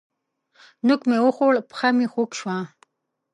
نوک مې وخوړ؛ پښه مې خوږ شوه.